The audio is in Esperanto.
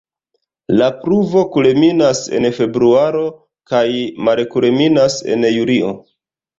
La pluvo kulminas en februaro kaj malkulminas en julio.